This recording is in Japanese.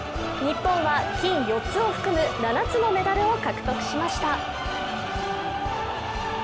日本は金４つを含む７つのメダルを獲得しました。